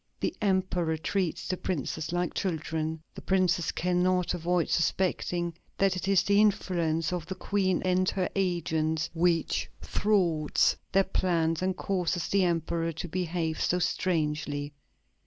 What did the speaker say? The Emperor treats the Princes like children.... The Princes cannot avoid suspecting that it is the influence of the Queen and her agents which thwarts their plans and causes the Emperor to behave so strangely....